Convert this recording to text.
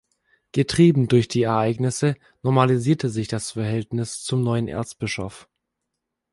Getrieben durch die Ereignisse, normalisierte sich das Verhältnis zum neuen Erzbischof.